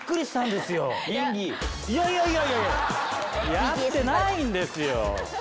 いやいややってないんですよ。